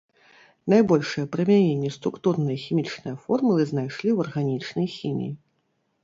Найбольшае прымяненне структурныя хімічныя формулы знайшлі ў арганічнай хіміі.